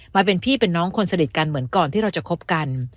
มาเป็นพี่เป็นน้องคนสนิทกันเหมือนก่อนที่เราจะคบกัน